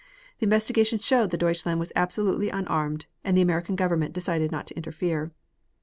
The investigation showed the Deutschland was absolutely unarmed and the American Government decided not to interfere.